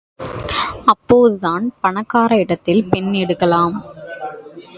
அப்போதுதான் பணக்கார இடத்தில் பெண் எடுக்கலாம்.